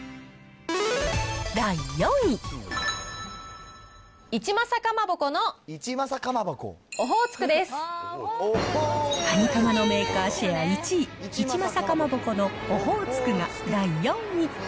第４位。かにかまのメーカーシェア１位、一正蒲鉾のオホーツクが第４位。